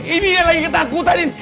ini yang lagi ketakutanin